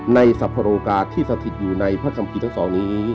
สรรพโรกาที่สถิตอยู่ในพระสัมภีทั้งสองนี้